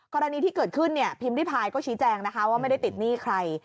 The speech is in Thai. กรณีที่เกิดขึ้นเนี่ยพิมพ์ริพายก็ชี้แจงนะคะว่าไม่ได้ติดหนี้ใคร